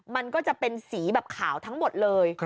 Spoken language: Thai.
มันก็จะเป็นสีแบบขาวทั้งหมดเลย